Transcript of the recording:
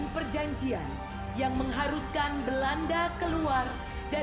terjuanglah demi negara